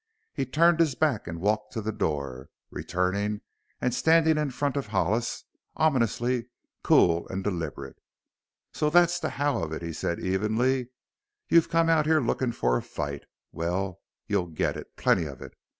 He turned his back and walked to the door, returning and standing in front of Hollis, ominously cool and deliberate. "So that's the how of it?" he said evenly. "You've come out here looking for fight. Well, you'll get it plenty of it.